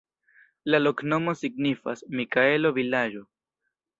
La loknomo signifas: Mikaelo-vilaĝ'.